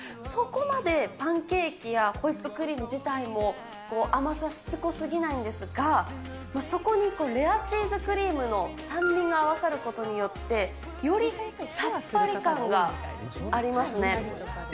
そこまでパンケーキやホイップクリーム自体も甘さ、しつこすぎないんですが、そこにこのレアチーズクリームの酸味が合わさることによって、よりさっぱり感がありますね。